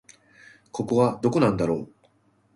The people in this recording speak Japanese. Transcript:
ここはどこなんだろう